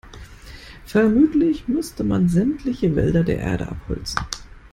Vermutlich müsste man sämtliche Wälder der Erde abholzen.